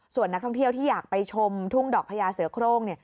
ส่วนนักท่องเที่ยวที่อยากไปชมทุ่งดอกพญาเสือโครง